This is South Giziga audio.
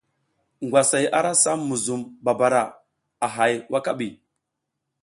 Ngwasay ara sam muzum babara a hay wakaɓi.